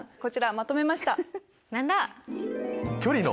まとめました。